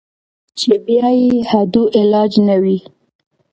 چې بيا ئې هډو علاج نۀ وي -